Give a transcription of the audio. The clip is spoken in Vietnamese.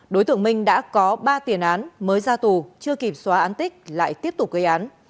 đối tượng minh đã có ba tiền án mới ra tù chưa kịp xóa án tích lại tiếp tục gây án